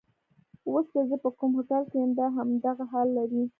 اوس چې زه په کوم هوټل کې یم دا هم همدغه حال لري.